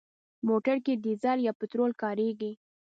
موټر کې ډيزل یا پټرول کارېږي.